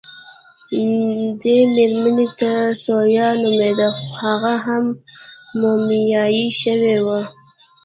دې مېرمنې ته ثویا نومېده، هغه هم مومیايي شوې وه.